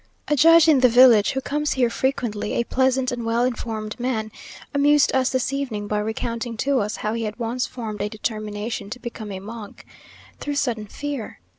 A judge in the village, who comes here frequently, a pleasant and well informed man, amused us this evening by recounting to us how he had once formed a determination to become a monk, through sudden fear.